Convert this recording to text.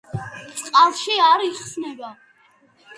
წყალში არ იხსნება.